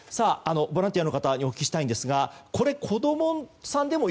ボランティアの方にお聞きしたいんですがこれは子供さんでも